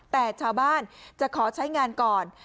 แต่ชาวบ้านจะขอใช้งานก่อน